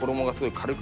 軽く